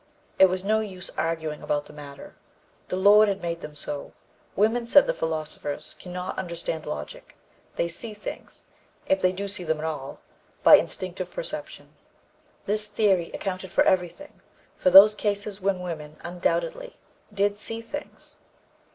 It was no use arguing about the matter. The Lord had made them so. Women, said the philosophers, can not understand logic; they see things, if they do see them at all, by instinctive perception. This theory accounted for everything, for those cases when women undoubtedly did 'see things.'